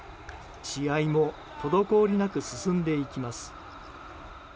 試合も滞りなく進んでいきます。